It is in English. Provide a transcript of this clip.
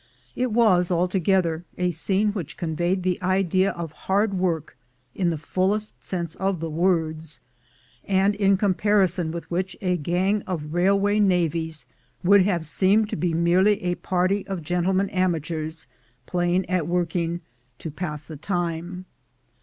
_; It was altogether a scene which conveyed the idea of hard work in the fullest sense of the words, and in comparison with which a gang of railway navvies would have seemed to be merely a party of gentlemen amateurs playing at working pour passer le temps.